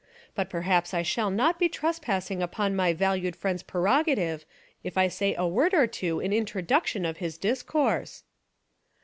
But perhaps I shall not be trespassing upon my valued friend's prerogative if I say a word or two in intro duction of his discourse."